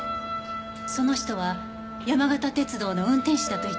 その人は山形鉄道の運転士だと言っていました。